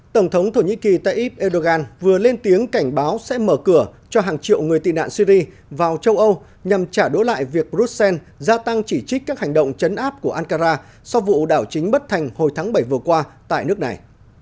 tổng thống thổ nhĩ kỳ tayyip erdogan vừa lên tiếng cảnh báo sẽ mở cửa cho hàng triệu người tị nạn syri vào châu âu nhằm trả đối lại việc bruxelles gia tăng chỉ trích các hành động chấn áp của ankara sau vụ đảo chính bất thành hồi tháng bảy vừa qua tại nước này